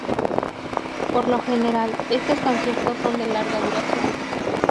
Por lo general, estos conciertos son de larga duración.